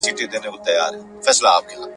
پټ یې د زړه نڅا منلای نه سم ,